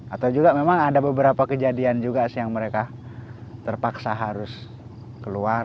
atau juga memang ada beberapa kejadian juga sih yang mereka terpaksa harus keluar